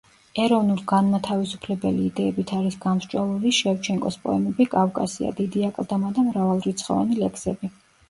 ეროვნულ-განმათავისუფლებელი იდეებით არის გამსჭვალული შევჩენკოს პოემები „კავკასია“, „დიდი აკლდამა“ და მრავალრიცხოვანი ლექსები.